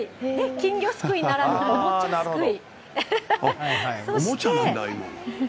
金魚すくいならぬ、おもちゃすくい。